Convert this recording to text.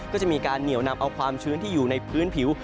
ก็จะมีการเหนียวนำเอาความชื้นที่อยู่ในพื้นผิว